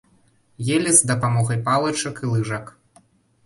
Елі з дапамогай палачак і лыжак.